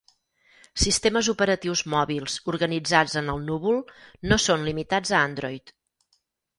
Sistemes operatius mòbils organitzats en el núvol no són limitats a Android.